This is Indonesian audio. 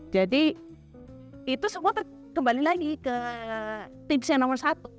jadi itu semua kembali lagi ke tips yang nomor satu